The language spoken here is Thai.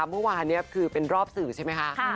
เมื่อวานนี้คือเป็นรอบสื่อใช่ไหมคะ